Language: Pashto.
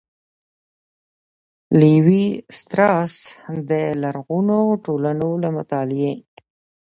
''لېوي ستراس د لرغونو ټولنو له مطالعې